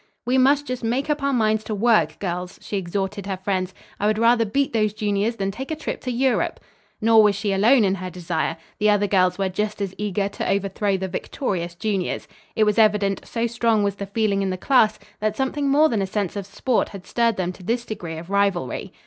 "We must just make up our minds to work, girls," she exhorted her friends. "I would rather beat those juniors than take a trip to Europe." Nor was she alone in her desire. The other girls were just as eager to overthrow the victorious juniors. It was evident, so strong was the feeling in the class, that something more than a sense of sport had stirred them to this degree of rivalry.